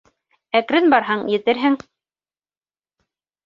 Әкрен барһаң, етерһең